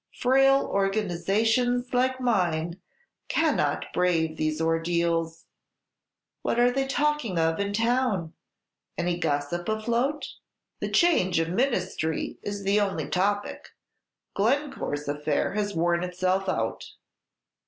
Frail organizations, like mine, cannot brave these ordeals. What are they talking of in town? Any gossip afloat?" "The change of ministry is the only topic. Glencore's affair has worn itself out."